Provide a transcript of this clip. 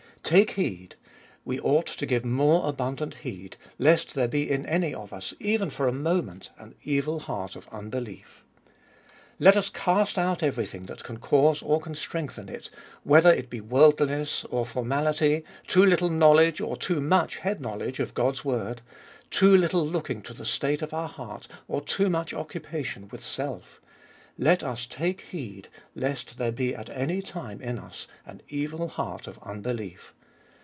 Take heed — we ought to give more abundant heed — lest there be in any of us, even for a moment, an evil heart of unbelief. Let us cast out everything that can cause or can strengthen it, whether it be world liness or formality, too little knowledge, or too much head knowledge of God's word, too little looking to the state of our heart or too much occupa tion with self; let us take heed lest there be at any time in us an evil heart of unbelief.